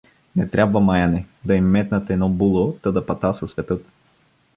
Не трябва маяне: да им метнат едно було, та да патаса светът.